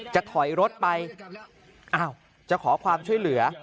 จะถอยรถไปอ้าวจะขอความช่วยเหลือ